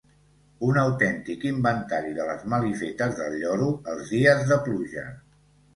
Un autèntic inventari de les malifetes del lloro els dies de pluja.